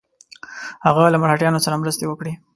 هغه له مرهټیانو سره مرستې وکړي.